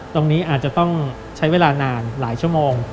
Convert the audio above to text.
ตรงนี้อาจจะต้องใช้เวลานานหลายชั่วโมง